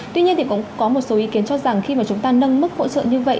tuy nhiên thì cũng có một số ý kiến cho rằng khi mà chúng ta nâng mức hỗ trợ như vậy